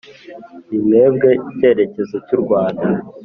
nitwebwe cyerekezo cy’urwanda